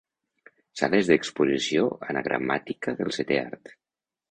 Sales d'exposició anagramàtica del setè art.